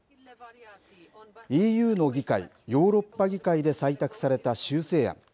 ＥＵの議会、ヨーロッパ議会で採択された修正案。